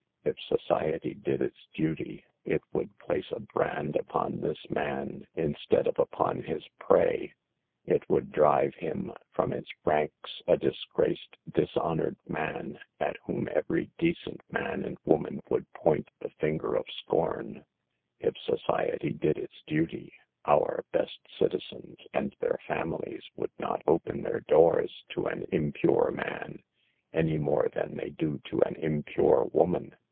If society did its duty it would place a brand upon this man, instead CAUSES OF THE SOCIAL EVIL. 47 of upon his prey 5 it would drive him from its ranks a disgraced, dishonored man, at whom every decent man and woman would point the finger of scorn. If society did its duty, our " best citizens " and their families would not open their doors to an impure man, any more than they do to an impure woman.